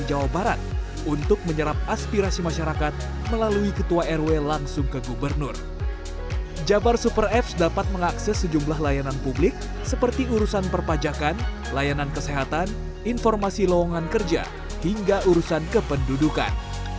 jabar super apps dapat mengakses sejumlah layanan publik seperti urusan perpajakan layanan kesehatan informasi lowongan kerja hingga urusan kependudukan